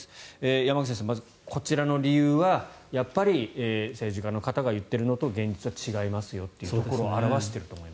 山口先生、まずこちらの理由は政治家の方が言っているのと現実は違いますよというところを表していると。